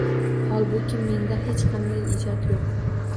Holbuki, menda hech qanday ijod yo‘q.